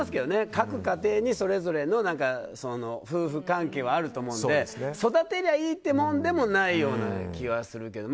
各家庭にそれぞれの夫婦関係はあると思うんで育てりゃいいってもんでもないような気はするけど。